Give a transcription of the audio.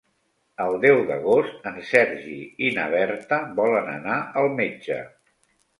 El deu d'agost en Sergi i na Berta volen anar al metge.